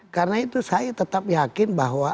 karena itu saya tetap yakin bahwa